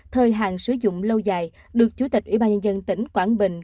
thời hạn sử dụng lâu dài được chủ tịch ủy ban nhân dân tỉnh quảng bình